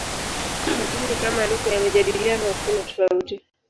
Lakini kama lugha ya majadiliano hakuna tofauti.